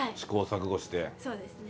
そうですね。